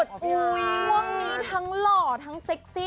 ช่วงนี้ทั้งหล่อทั้งเซ็กซี่